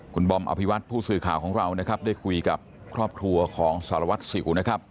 คุณบอมอภิวัตผู้สื่อข่าวของเรานะครับได้คุยกับครอบครัวของสารวัตรสิวนะครับ